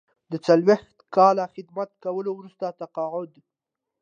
د څلویښت کاله خدمت کولو وروسته تقاعد.